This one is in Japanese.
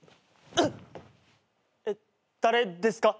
えっ誰ですか？